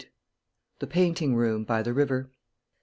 THE PAINTING ROOM BY THE RIVER.